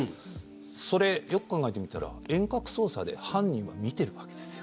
それ、よく考えてみたら遠隔操作で犯人は見ているわけですよ。